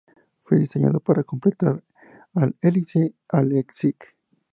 Fue diseñado para complementar al Elise y al Exige.